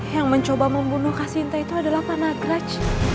yang mencoba membunuh kak sinta itu adalah panagraj